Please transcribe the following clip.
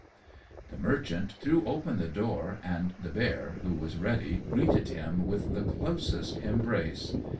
_] The merchant threw open the door, and the bear, who was ready, greeted him with the closest embrace.